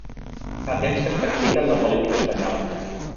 Fa temps que es practica en la política espanyola.